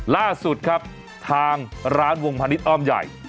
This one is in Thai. ล่าสุดครับทางร้านวงพาณิชย์อ้อมใหญ่